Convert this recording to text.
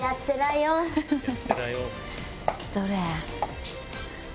どれ？